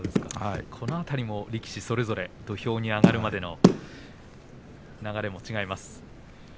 その辺りも力士それぞれ土俵に上がるまでの流れも違います。